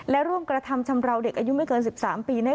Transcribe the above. และร่วมกระทำชำราวเด็กอายุไม่เกิน๑๓ปี